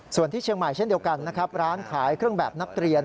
ส่วนที่เชียงใหม่เช่นเดียวกันนะครับร้านขายเครื่องแบบนักเรียน